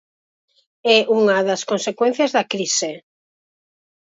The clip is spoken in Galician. É unha das consecuencias da crise.